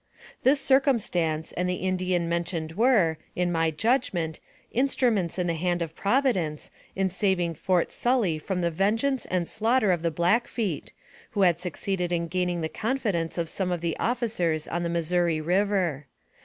This circumstance and the Indian mentioned were, in my judgment, instruments in the hand of Provi dence, in saving Fort Sully from the vengeance and slaughter of the Blackfeet, who had succeeded in gain ing the confidence of some of the officers on the Mis souri River.